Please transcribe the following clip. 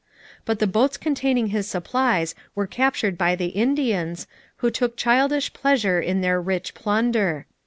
But the boats containing his supplies were captured by the Indians, who took childish pleasure in their rich plunder.